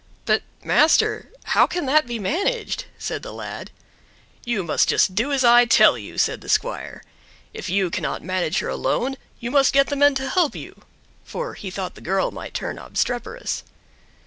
"But master, how can that be managed?" said the lad. "You must just do as I tell you," said the squire. "If you cannot manage her alone you must get the men to help you," for he thought the girl might turn obstreperous.